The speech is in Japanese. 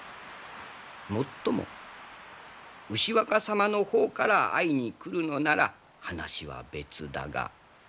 もっとも牛若様の方から会いに来るのなら話は別だが。